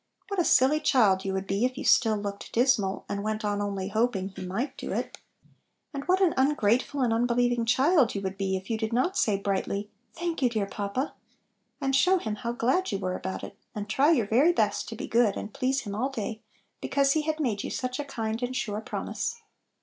what a silly child you would be if you still looked dismal, and went on only "hoping" he might do it! And what an ungrateful and unbeliev ing child you would be if you did not say brightly, " Thank you, dear papa !" and show him how glad you were about it, and try your very best to be good and please him all day, because he had made you such a kind and sure promise!